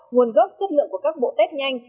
nguồn gốc chất lượng của các bộ test nhanh